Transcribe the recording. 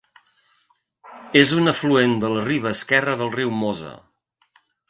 És un afluent de la riba esquerra del riu Mosa.